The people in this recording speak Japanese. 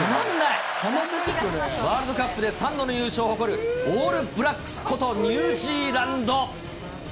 ワールドカップで３度の優勝を誇るオールブラックスことニュージーランド。